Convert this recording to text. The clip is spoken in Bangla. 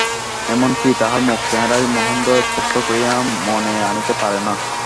এমন কি, তাহার মুখের চেহারাই মহেন্দ্র স্পষ্ট করিয়া মনে আনিতে পারে না।